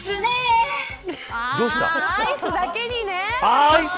アイスだけにね。